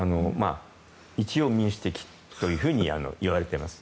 一応、民主的といわれています。